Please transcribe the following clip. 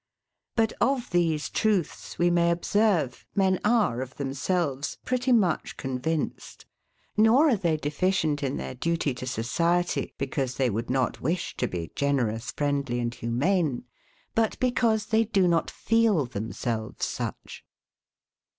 But of these truths, we may observe, men are, of themselves, pretty much convinced; nor are they deficient in their duty to society, because they would not wish to be generous, friendly, and humane; but because they do not feel themselves such.